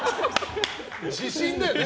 自信だよね。